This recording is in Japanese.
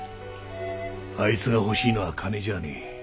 あいつが欲しいのは金じゃねえ。